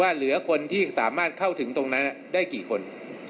เหลือคนที่สามารถเข้าถึงตรงนั้นได้กี่คน